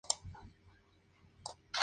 Identificó y catalogó muchos nuevos fungi.